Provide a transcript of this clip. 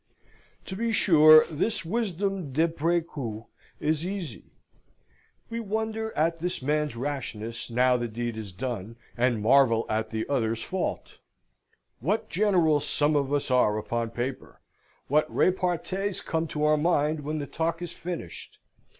To be sure this wisdom d'apres coup is easy. We wonder at this man's rashness now the deed is done, and marvel at the other's fault. What generals some of us are upon paper! what repartees come to our mind when the talk is finished!